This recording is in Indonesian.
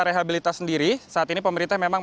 rehabilitas sendiri saat ini pemerintah memang